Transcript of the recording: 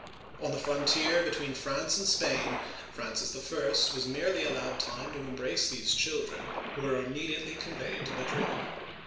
On the frontier between France and Spain Francis I. was merely allowed time to embrace these children, who were immedi^ely conveyed to Madrid.